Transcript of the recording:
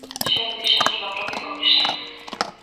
Xa o dixemos na propia comisión.